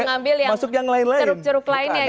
tinggal mengambil yang ceruk ceruk lainnya